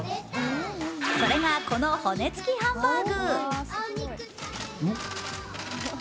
それがこの骨付きハンバーグ。